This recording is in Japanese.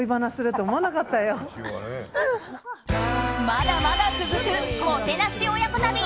まだまだ続く、もてなし親子旅。